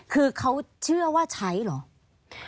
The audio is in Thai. คือเขาเชื่อว่าใช้เหรอ